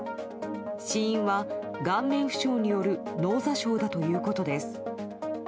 死因は顔面負傷による脳挫傷ということです。